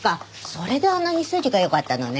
それであんなに筋が良かったのね。